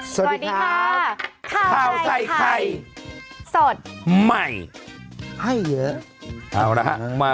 สวัสดีครับข้าวใส่ใครสดใหม่ให้เยอะเอาล่ะฮะ